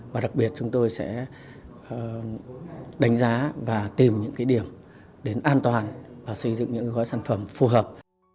và đặc biệt chúng tôi sẽ đánh giá và tìm những điểm đến an toàn và xây dựng những gói sản phẩm phù hợp